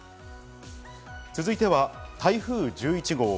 続いては台風１１号。